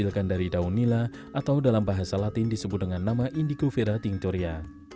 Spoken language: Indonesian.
pembuatannya dari daun nila atau dalam bahasa latin disebut dengan nama indigo verating chorea